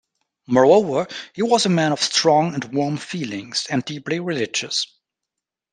Moreover, he was a man of strong and warm feelings, and deeply religious.